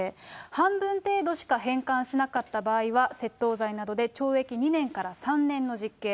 半分程度しか返還しなかった場合は窃盗罪などで懲役２年から３年の実刑。